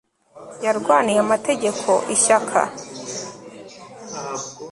yarwaniye amategeko ishyaka